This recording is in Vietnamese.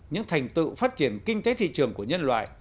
những thành tựu phát triển kinh tế thị trường của nhân loại